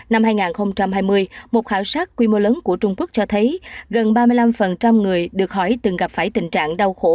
năm hai nghìn hai mươi một khảo sát quy mô lớn của trung quốc cho thấy gần ba mươi năm người được hỏi từng gặp phải tình trạng đau khổ